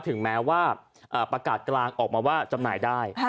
ถึงแม้ว่าประกาศกลางออกมาว่าจำหน่ายได้